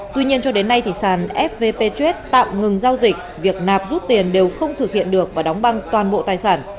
tuy nhiên cho đến nay sàn fvp trad tạm ngừng giao dịch việc nạp rút tiền đều không thực hiện được và đóng băng toàn bộ tài sản